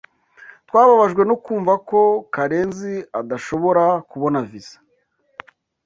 Twababajwe no kumva ko Karenziadashobora kubona visa.